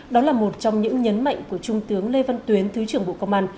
đó là một trong những nhấn mạnh của trung tướng lê văn tuyến thứ trưởng bộ công an